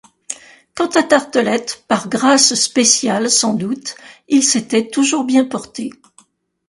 Quant à Tartelett, par grâce spéciale, sans doute, il s’était toujours bien porté.